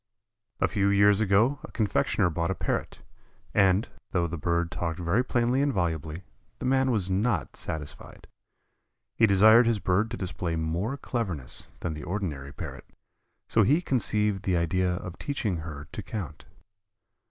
A few years ago a confectioner bought a Parrot, and, though the bird talked very plainly and volubly, the man was not satisfied. He desired his bird to display more cleverness than the ordinary Parrot, so he conceived the idea of teaching her to count.